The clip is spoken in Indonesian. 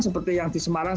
seperti yang di semarang